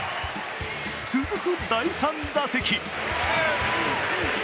続く第３打席。